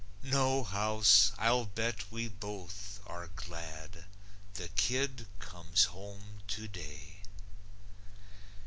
No, House, I'll bet we both are glad The kid comes home today.